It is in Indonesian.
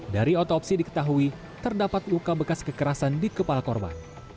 dari otopsi diketahui terdapat luka bekas kekerasan di kepala korban